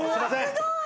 すごい。